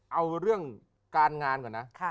เอาเรื่องการงานก่อนนะ